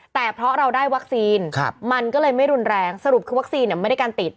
แต่เพราะเราได้วัคซีนมันก็เลยไม่รุนแรงสรุปคือวัคซีนไม่ได้การติด